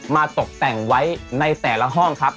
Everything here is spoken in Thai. ตกแต่งไว้ในแต่ละห้องครับ